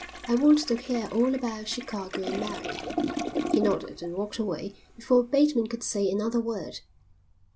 "I want to hear all about Chicago and Mary." He nodded and walked away before Bateman could say another word.